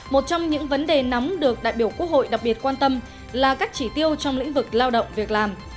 một trong những vấn đề nóng được đại biểu quốc hội đặc biệt quan tâm là các chỉ tiêu trong lĩnh vực lao động việc làm